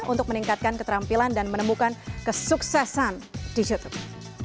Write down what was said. untuk meningkatkan keterampilan dan menemukan kesuksesan di youtube